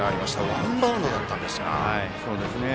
ワンバウンドだったんですが。